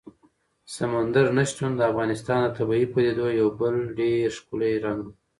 سمندر نه شتون د افغانستان د طبیعي پدیدو یو بل ډېر ښکلی رنګ دی.